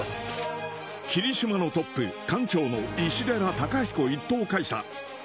きりしまのトップ、艦長の石寺隆彦１等海佐。